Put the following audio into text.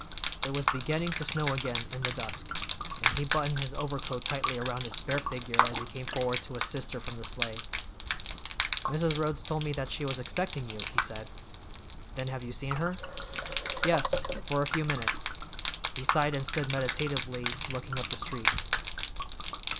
It was beginning to snow again in the dusk, and he buttoned his overcoat tightly around his spare figure as he came forward to assist her from the sleigh. "Mrs. Rhodes told me that she was expecting you," he said. "Then have you seen her?" "Yes, for a few minutes." He sighed and stood meditatively looking up the street.